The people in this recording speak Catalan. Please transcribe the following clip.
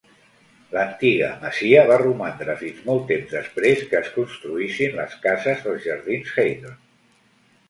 L'antiga masia va romandre fins molt temps després que es construïssin les cases als jardins Haydon.